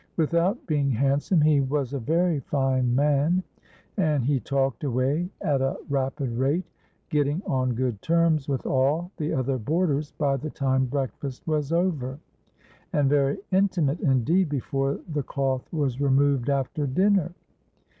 Without being handsome, he was a very fine man; and he talked away at a rapid rate, getting on good terms with all the other boarders by the time breakfast was over, and very intimate indeed before the cloth was removed after dinner.